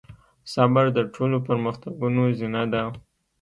صبر د ټولو پرمختګونو زينه ده.